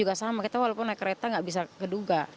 tapi kita naik kereta gak bisa keduga